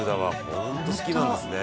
「ホント好きなんですね